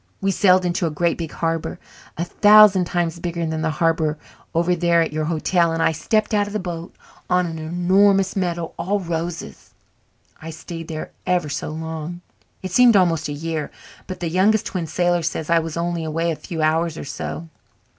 We sailed into a great big harbour, a thousand times bigger than the harbour over there at your hotel, and I stepped out of the boat on a 'normous meadow all roses. I stayed there for ever so long. It seemed almost a year, but the Youngest Twin Sailor says I was only away a few hours or so.